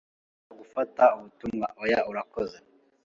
"Nshobora gufata ubutumwa?" "Oya, urakoze."